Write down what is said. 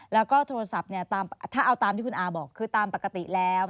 แล้วก็โทรศัพท์เนี่ยถ้าเอาตามที่คุณอาบอกคือตามปกติแล้ว